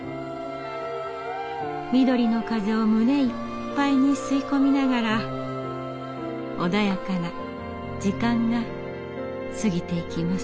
緑の風を胸いっぱいに吸い込みながら穏やかな時間が過ぎていきます。